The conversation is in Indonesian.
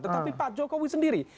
tetapi pak jokowi sendiri